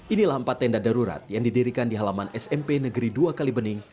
inilah empat tenda darurat yang didirikan di halaman smp negeri dua kalibening